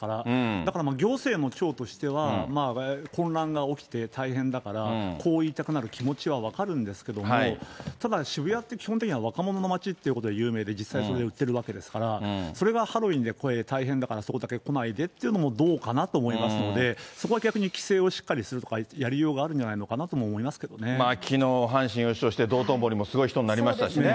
だから行政の長としては、混乱が起きて大変だから、こう言いたくなる気持ちは分かるんですけども、ただ渋谷って、基本的に若者の街ということで有名で、実際それで売っているわけですから、それがハロウィーンで大変だから、そこだけ来ないでっていうのもどうかなと思いますので、そこは逆に規制をしっかりするとか、やりようがあるんじゃないのきのう、阪神優勝して、道頓堀もすごい人になりましたしね。